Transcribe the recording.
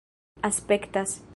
aspektas